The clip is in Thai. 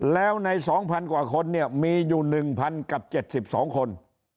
แล้วใน๒๐๐กว่าคนเนี่ยมีอยู่๑๐๐กับ๗๒คน